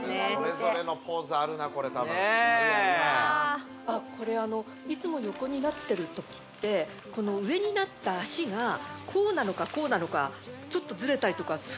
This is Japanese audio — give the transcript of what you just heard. それぞれのポーズあるなこれたぶんねえあっこれあのいつも横になってる時ってこの上になった足がこうなのかこうなのかちょっとズレたりとか